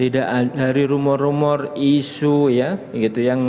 dari rumor rumor isu ya gitu